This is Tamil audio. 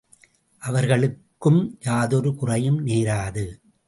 அவர்களுக்கும் யாதொரு குறையும் நேராது.